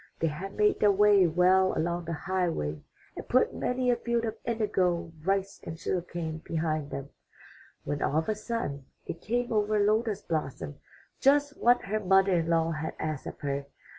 They had made their way well along the highway and put many a field of indigo, rice, and sugar cane behind them, when all of a sudden it came over Lotus blossom just what her mother in law had asked of her.